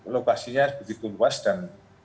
lokasinya begitu luas dan